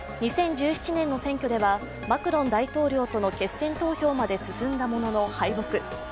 ２０１７年の選挙ではマクロン大統領との決選投票まで進んだものの敗北。